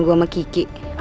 bakal dibuka ke rose